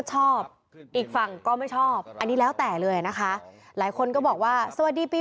ชอบอีกฝั่งก็ไม่ชอบอันนี้แล้วแต่เลยนะคะหลายคนก็บอกว่าสวัสดีปี